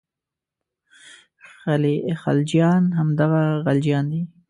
خلجیان همدغه غلجیان دي.